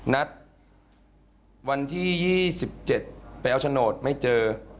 นัดวันที่๒๗ไปเอาโฉนดไม่เจอ